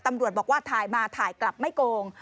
ตำรวจบอกว่าถ่ายมาถ่ายกลับไม่โกง